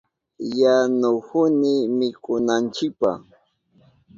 Yanuhuni mikunanchipa.